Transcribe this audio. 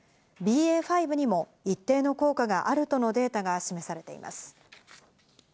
ＢＡ．５にも一定の効果があるとのデータが示されています。